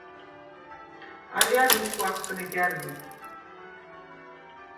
ალჲა̈რ მიშგუ აფხნეგა̈რ ლიხ.